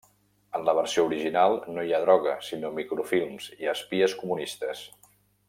En la versió original no hi ha droga sinó microfilms i espies comunistes.